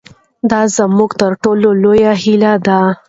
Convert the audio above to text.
دا زموږ تر ټولو لویه هیله ده.